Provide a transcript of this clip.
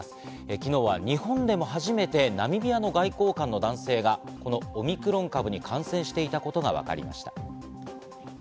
昨日は日本でも初めてナミビアの外交官の男性がオミクロン株に感染していたことがわかりました。